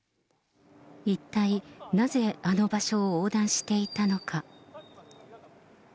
一体なぜあの場所を横断していたのか。